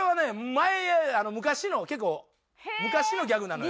前昔の結構昔のギャグなのよ。